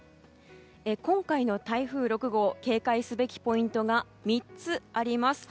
今回の台風６号警戒すべきポイントが３つあります。